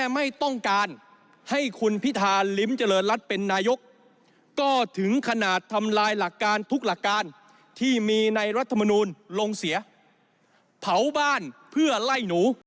มันเหมือนการเผาบ้านไล่หนูหรือเปล่า